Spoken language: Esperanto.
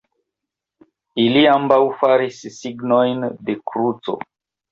Ili ambaŭ faris signojn de kruco.